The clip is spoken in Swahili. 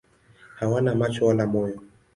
Hawana macho wala moyo.